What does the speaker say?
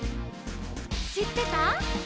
「しってた？」